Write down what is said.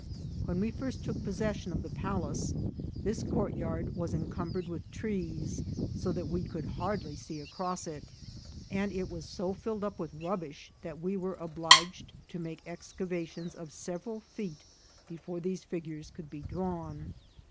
When we first took possession of the palace this courtyard was encumbered with trees, so that we could hardly see across it, and it was so filled up with rubbish that we were obliged to make excavations of several feet before these figures could be drawn.